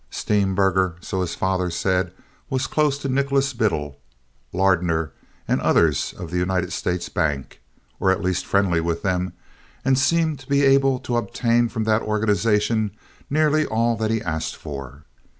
Steemberger, so his father said, was close to Nicholas Biddle, Lardner, and others of the United States Bank, or at least friendly with them, and seemed to be able to obtain from that organization nearly all that he asked for.